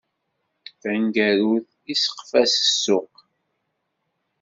Taneggarut, iseqqef-as s ssuq.